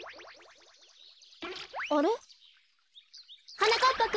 あれ？はなかっぱくん！